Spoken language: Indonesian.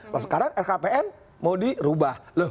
sekarang lhkpn mau dirubah